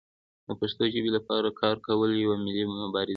د پښتو ژبې لپاره کار کول یوه ملي مبارزه ده.